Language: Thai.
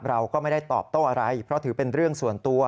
เราก็ไม่ได้ตอบโต้อะไรเพราะถือเป็นเรื่องส่วนตัว